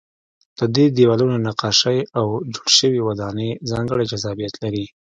د دې دیوالونو نقاشۍ او جوړې شوې ودانۍ ځانګړی جذابیت لري.